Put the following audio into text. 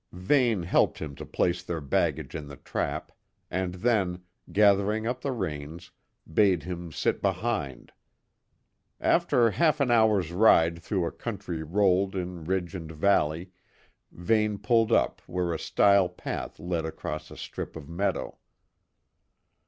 Vane helped him to place their baggage in the trap, and then, gathering up the reins, bade him sit behind. After half an hour's ride through a country rolled in ridge and valley, Vane pulled up where a stile path led across a strip of meadow.